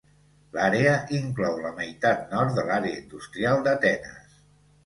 L'àrea inclou la meitat nord de l'àrea industrial d'Atenes.